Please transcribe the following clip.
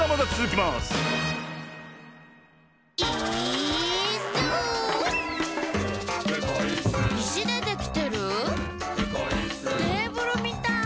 「テーブルみたい」